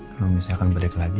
kalau misalkan balik lagi